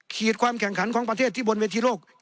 ความแข่งขันของประเทศที่บนเวทีโลก